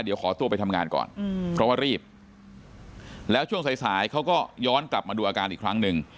เดี๋ยวขอตัวไปทำงานก่อนเพราะว่ารีบแล้วช่วงสายสายเขาก็ย้อนกลับมาดูอาการอีกครั้งหนึ่ง